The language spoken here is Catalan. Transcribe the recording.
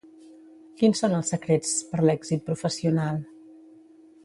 Quins són els secrets per l'èxit professional?